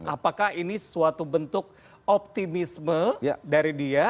apakah ini suatu bentuk optimisme dari dia